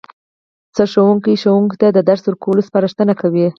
سرښوونکی ښوونکو ته د درس ورکولو سپارښتنه کوي